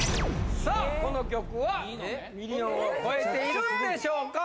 さあこの曲はミリオンを超えているんでしょうか？